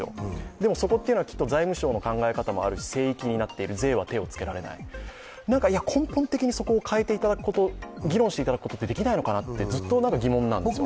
でもそこというのはきっと財務省の考え方になっている、聖域になっている、税は手をつけられない、根本的にそこを変えていただくこと議論していただくことってできないのかなとずっと疑問なんですよね。